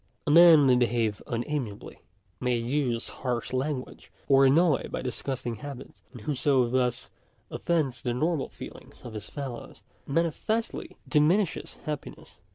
A man may behave unamiably, may use harsh language, or annoy by disgusting habits; and whoso thus offends the normal feelings of his fellows, manifestly di minishes happiness.